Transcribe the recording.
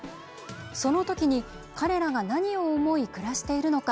その時に、彼らが何を思い暮らしているのか。